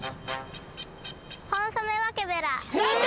ホンソメワケベラ。